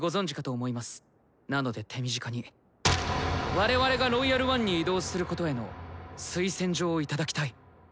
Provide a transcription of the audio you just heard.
我々が「ロイヤル・ワン」に移動することへの推薦状を頂きたい。